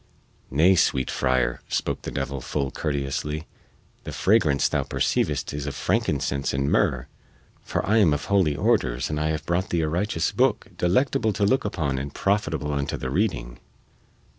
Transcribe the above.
"Nay, sweet friar," spake the devil full courteously, "the fragrance thou perceivest is of frankincense and myrrh, for I am of holy orders and I have brought thee a righteous booke, delectable to look upon and profitable unto the reading."